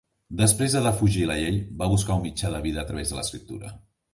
Després de defugir la llei, va buscar un mitjà de vida a través de l'escriptura.